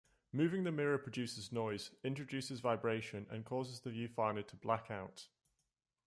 Moving the mirror produces noise, introduces vibration, and causes the viewfinder to "black out".